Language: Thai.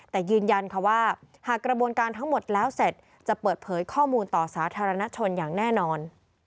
แต่ยืนยันค่ะว่าหากกระบวนการทั้งหมดแล้วเสร็จจะเปิดเผยข้อมูลต่อสาธารณชนอย่างแน่นอน